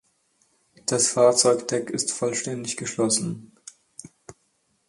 Das Fahrzeugdeck ist vollständig geschlossen.